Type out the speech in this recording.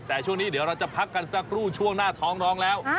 แต่ช่วงนี้เดี๋ยวเราจะพักกันสักครู่ช่วงหน้าท้องน้องแล้ว